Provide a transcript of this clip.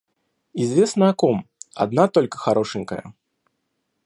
Известно о ком: одна только хорошенькая.